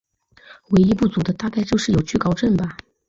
唯一不足的大概就是有惧高症吧。